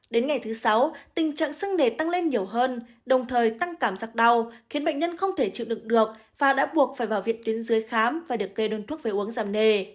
đến ngày thứ sáu tình trạng sưng nề tăng lên nhiều hơn đồng thời tăng cảm giác đau khiến bệnh nhân không thể chịu đựng được và đã buộc phải vào viện tuyến dưới khám và được kê đơn thuốc về uống giảm nề